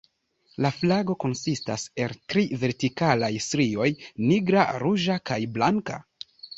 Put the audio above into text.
La flago konsistas el tri vertikalaj strioj: nigra, ruĝa kaj blanka.